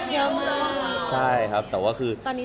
เยอะมากตอนนี้สายมันเยอะมาก